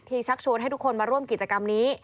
ชักชวนให้ทุกคนมาร่วมกิจกรรมนี้